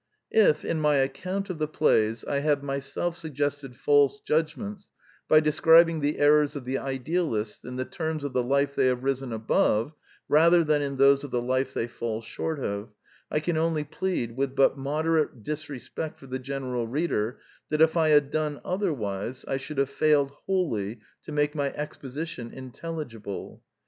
If, in my account of the plays, I have myself suggested false judgments by describing the errors of the idealists in the terms of the life they have risen above rather than in those of the life they fall short of, I can only plead, with but moderate disrespect for the general reader, that if I had done otherwise I should have failed wholly to make my exposition intelligible.